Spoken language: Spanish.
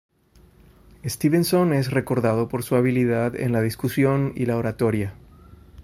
Stevenson es recordado por su habilidad en la discusión y la oratoria.